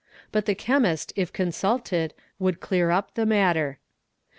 But the chemist if consulted would clear up the matter.